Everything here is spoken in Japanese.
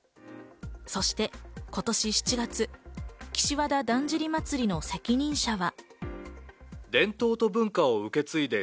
そして今年７月、岸和田だんじり祭の責任者は。